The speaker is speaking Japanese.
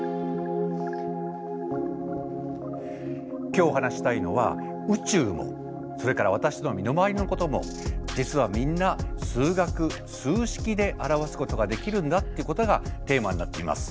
今日お話ししたいのは宇宙もそれから私の身の回りのことも実はみんな数学数式で表すことができるんだっていうことがテーマになっています。